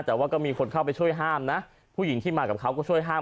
แต่ว่าก็มีคนเข้าไปช่วยห้ามนะผู้หญิงที่มากับเขาก็ช่วยห้าม